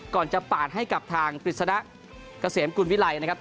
ก่อนจะปาดให้กลับทางปริศนาเกษียมกุลวิไลนะครับ